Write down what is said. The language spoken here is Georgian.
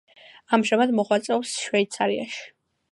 ამჟამად მოღვაწეობს შვეიცარიაში.